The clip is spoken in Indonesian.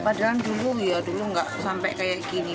padahal dulu ya dulu nggak sampai kayak gini